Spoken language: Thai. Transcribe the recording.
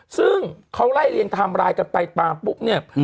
ซึ่งเขาไล่เลี้ยงทำร้ายกันไปป่าปุ๊บเนี่ย